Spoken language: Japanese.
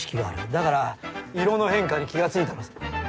だから色の変化に気がついたのさ。